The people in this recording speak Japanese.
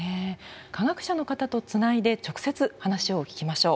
科学者の方とつないで直接話を聞きましょう。